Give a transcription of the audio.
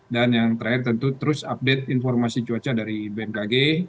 dan yang terakhir tentu terus update informasi cuaca dari bmkg